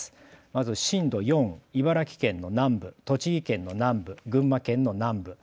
まず震度４、茨城県の南部栃木県南部、群馬県の南部。